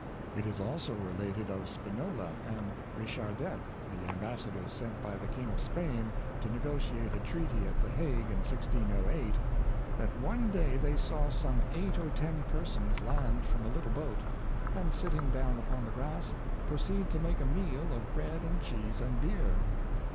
It is also related of Spinola and Richardet, the am bassadors sent by the King of Spain to negotiate a treaty at the Hague in 1608, that one day they saw some eight or ten persons land from a little boat, and, sitting down upon the grass, proceed to make a meal of bread and cheese and beer.